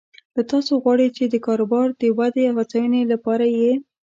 له تاسو غواړي چې د کاروبار د ودې او هڅونې لپاره یې